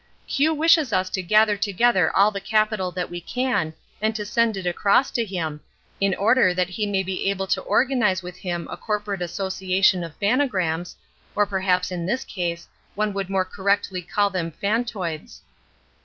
"Q wishes us to gather together all the capital that we can, and to send it across to him, in order that he may be able to organise with him a corporate association of phanograms, or perhaps in this case, one would more correctly call them phantoids."